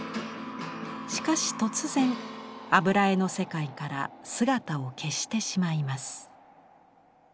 しかし突然油絵の世界から姿を消してしまいます。